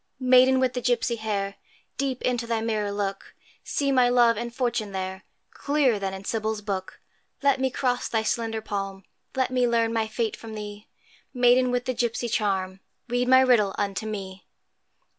Maiden with the gipsy hair, Deep into thy mirror look, See my love and fortune there, Clearer than in Sybil's book: Let me cross thy slender palm, Let me learn my fate from thee; Maiden with the gipsy charm, Read my riddle unto me.